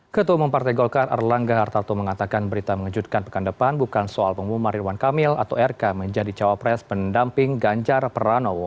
ketua umum partai golkar erlangga hartarto mengatakan berita mengejutkan pekan depan bukan soal pengumuman ridwan kamil atau rk menjadi cawapres pendamping ganjar pranowo